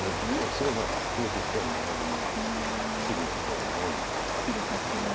すごいプロとしては切るのを悩むとこなんですけど。